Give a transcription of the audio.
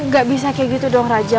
gak bisa kayak gitu dong raja